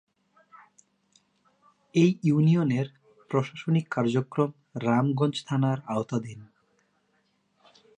এ ইউনিয়নের প্রশাসনিক কার্যক্রম রামগঞ্জ থানার আওতাধীন।